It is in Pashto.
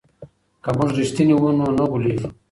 که موږ رښتیني وو نو نه غولېږو.